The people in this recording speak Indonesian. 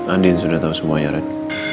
andin sudah tau semuanya red